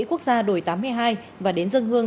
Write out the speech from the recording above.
quốc gia đổi tám mươi hai và đến dân hương